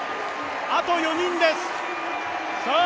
あと４人です。